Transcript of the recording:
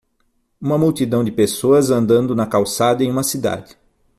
Uma multidão de pessoas andando na calçada em uma cidade.